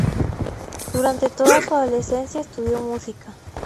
Durante toda su adolescencia estudió música.